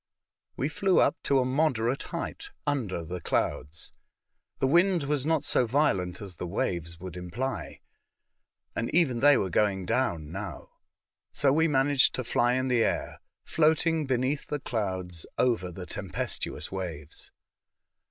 We flew up to a moderate heiglit, under the clouds. The wind was not so violent as the waves would imply, and even they were going down now. So we managed to fly in the air, floating beneath the clouds over the tempestuous waves.